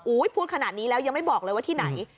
พูดขนาดนี้แล้วยังไม่บอกเลยว่าที่ไหน